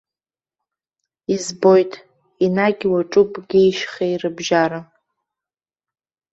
Избоит, енагь уаҿуп геи шьхеи рыбжьара.